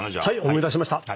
思い出しました。